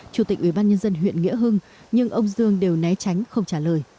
chủ tịch ubnd huyện nghĩa hưng nhưng ông dương đều né tránh không trả lời